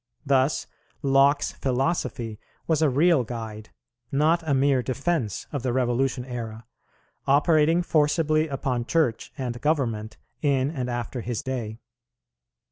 Thus Locke's philosophy was a real guide, not a mere defence of the Revolution era, operating forcibly upon Church and Government in and after his day.